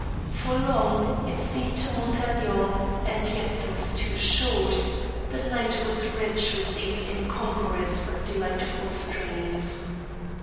For long it seemed to Montaiglon and yet it was too short the night was rich with these incongruous but delightful strains.